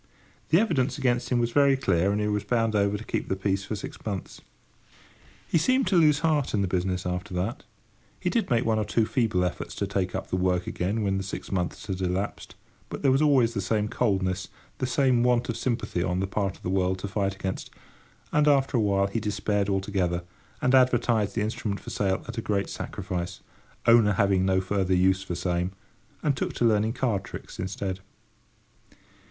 The evidence against him was very clear, and he was bound over to keep the peace for six months. He seemed to lose heart in the business after that. He did make one or two feeble efforts to take up the work again when the six months had elapsed, but there was always the same coldness—the same want of sympathy on the part of the world to fight against; and, after awhile, he despaired altogether, and advertised the instrument for sale at a great sacrifice—"owner having no further use for same"—and took to learning card tricks instead.